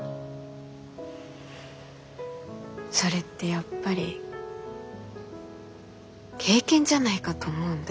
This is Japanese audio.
それってやっぱり経験じゃないかと思うんだよね。